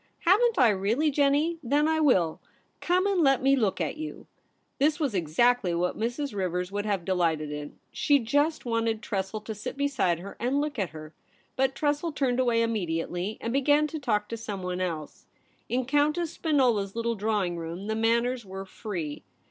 * Haven't I really, Jennie ? Then I will. Come and let me look at you.' This was exactly what Mrs. Rivers would have delighted in; she just wanted Tressel MADAME SPIN OLA AT HOME. 121 to sit beside her and look at her. But Tressel turned away immediately, and began to talk to someone else. In Countess Spinola's little drawing room the manners were free.